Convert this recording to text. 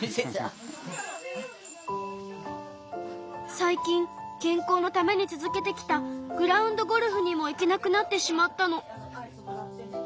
最近健康のために続けてきたグラウンドゴルフにも行けなくなってしまったの。